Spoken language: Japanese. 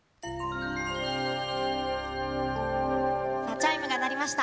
チャイムが鳴りました。